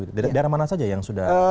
daerah mana saja yang sudah